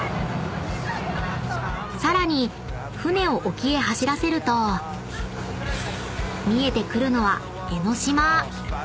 ［さらに船を沖へ走らせると見えてくるのは］